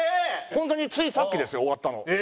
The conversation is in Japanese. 本当についさっきですよ終わったの。